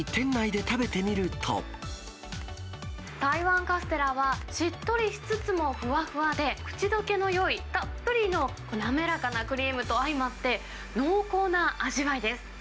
台湾カステラは、しっとりしつつもふわふわで、口どけのよいたっぷりの滑らかなクリームと相まって、濃厚な味わいです。